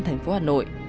thành phố hà nội